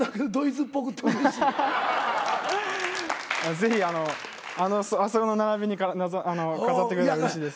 是非あのあそこの並びに飾ってくれたらうれしいです。